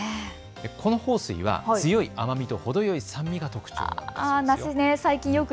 この豊水は強い甘みとほどよい酸味が特徴です。